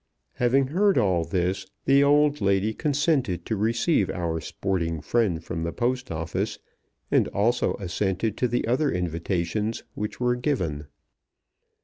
Having heard all this, the old lady consented to receive our sporting friend from the Post Office, and also assented to the other invitations, which were given.